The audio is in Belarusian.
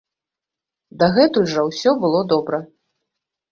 Дагэтуль жа ўсё было добра.